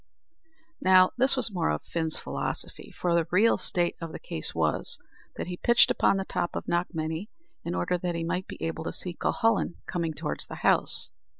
Now, this was more of Fin's philosophy; for the real state of the case was, that he pitched upon the top of Knockmany in order that he might be able to see Cuhullin coming towards the house.